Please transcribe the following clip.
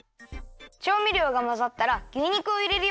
ちょうみりょうがまざったら牛肉をいれるよ。